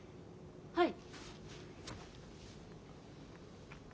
はい。